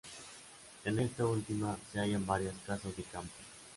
En esta última se hallan varias casas de campo.